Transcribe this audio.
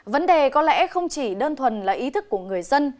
vấn đề có lẽ không chỉ đơn thuần là ý thức của người dân